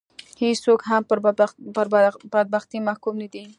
هېڅوک هم پر بدبختي محکوم نه دي